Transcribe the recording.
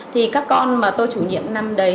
thì các con mà tôi chủ nhiệm năm đấy